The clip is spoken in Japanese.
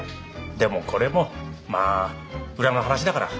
でもこれもまあ裏の話だから。